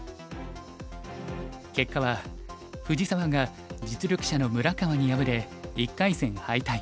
結果は藤沢が実力者の村川に敗れ１回戦敗退。